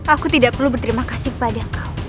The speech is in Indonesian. aku tidak perlu berterima kasih kepada kau